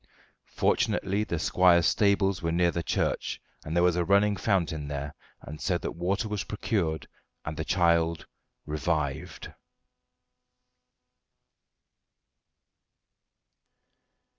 Fortunately the squire's stables were near the church, and there was a running fountain there, so that water was procured, and the child revived.